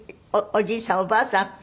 おじいさんおばあさん